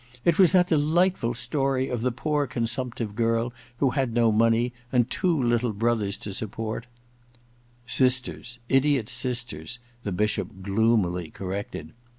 *It was that delightful story of the poor consumptive girl who had no money, and two little brothers to support '* Sisters — idiot sisters * the Bishop gloomily corrected.